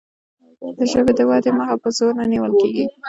د ژبې د ودې مخه په زور نه نیول کیږي.